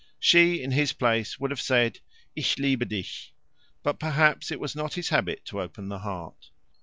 She, in his place, would have said "Ich liebe dich," but perhaps it was not his habit to open the heart.